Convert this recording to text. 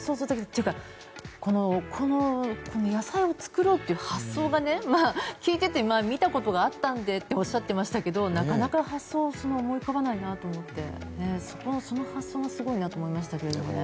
というか野菜を作ろうという発想が聞いていて見たことがあったんでっておっしゃっていましたけどなかなか発想が思い浮かばないなと思ってその発想がすごいなと思いましたけどね。